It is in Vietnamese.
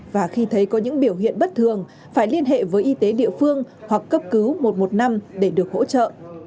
và khi thấy có những biểu hiện bất thường phải liên hệ với y tế địa phương hoặc cấp cứu một trăm một mươi năm để được hỗ trợ